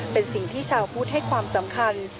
เป็นสิ่งที่ชาวพุทธให้ความสำคัญ